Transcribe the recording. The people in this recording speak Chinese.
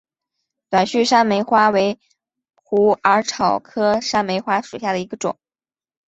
短序山梅花为虎耳草科山梅花属下的一个种。